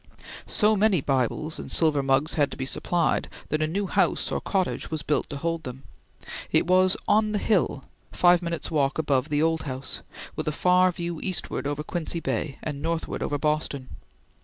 So many Bibles and silver mugs had to be supplied, that a new house, or cottage, was built to hold them. It was "on the hill," five minutes' walk above "the old house," with a far view eastward over Quincy Bay, and northward over Boston.